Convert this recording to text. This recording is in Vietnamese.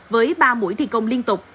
với ba mũi thi công liên tục